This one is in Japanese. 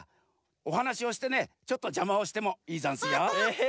おはなしをしてねちょっとじゃまをしてもいいざんすよ。フフッ。